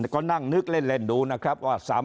ก็นั่งนึกเล่นดูนะครับว่า